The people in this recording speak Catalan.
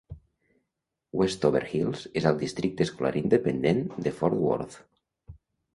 Westover Hills és al districte escolar independent de Fort Worth.